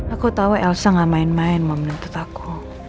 aku tahu elsa gak main main mau menuntut aku